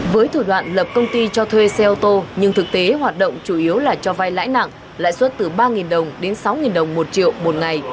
với thủ đoạn lập công ty cho thuê xe ô tô nhưng thực tế hoạt động chủ yếu là cho vai lãi nặng lãi suất từ ba đồng đến sáu đồng một triệu một ngày